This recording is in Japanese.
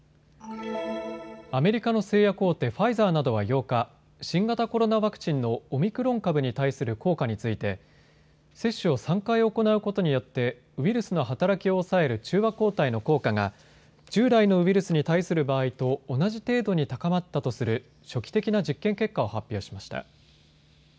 アメリカの製薬大手、ファイザーなどは８日、新型コロナワクチンのオミクロン株に対する効果について接種を３回行うことによってウイルスの働きを抑える中和抗体の効果が従来のウイルスに対する場合と同じ程度に高まったとする初期的な実験結果を発表しました。